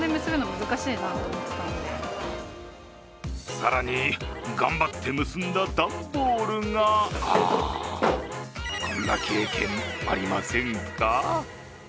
更に頑張って結んだ段ボールがあぁこんな経験ありませんか？